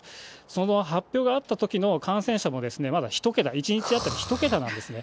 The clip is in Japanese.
その発表があったときの感染者も、まだ１桁、１日当たり１桁なんですね。